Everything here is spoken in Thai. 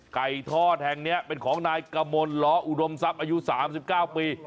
ไก่ทอดแห่งนี้เป็นของนายกมลล้ออุดมทรัพย์อายุ๓๙ปี